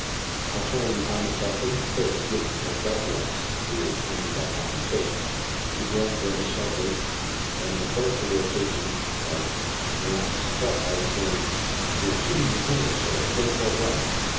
I turn and find myself face to face with the Count d'Artigas, who is accompanied by Captain Spade. He glances at me sharply, and in a burst of irritation that I cannot suppress, I exclaim: "You are keeping me here, sir, against all right.